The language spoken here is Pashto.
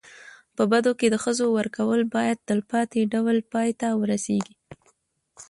په بدو کي د ښځو ورکول باید تلپاتي ډول پای ته ورسېږي.